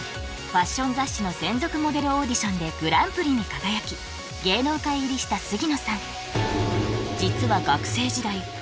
ファッション雑誌の専属モデルオーディションでグランプリに輝き芸能界入りした杉野さん